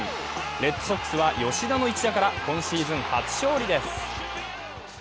レッドソックスは吉田の一打から今シーズン初勝利です。